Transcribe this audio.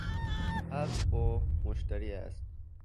حق با مشتری است